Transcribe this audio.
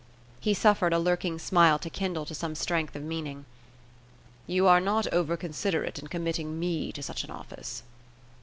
He suffered a lurking smile to kindle to some strength of meaning. "You are not over considerate in committing me to such an office."